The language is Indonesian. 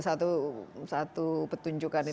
satu petunjukan itu